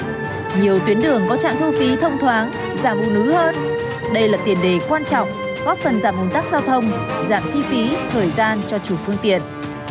nhiều tuyến đường có trạm thu phí thông thoáng giảm bụng núi hơn đây là tiền đề quan trọng góp phần giảm ngôn tắc giao thông giảm chi phí thời gian cho chủ phương tiện